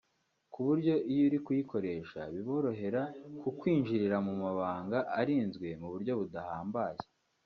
ku buryo iyo uri kuyikoresha biborohera kukwinjirira mu mabanga arinzwe mu buryo budahambaye